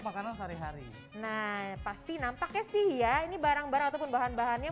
makanan sehari hari nah pasti nampaknya sih ya ini barang barang ataupun bahan bahannya